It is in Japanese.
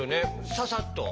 ササッと。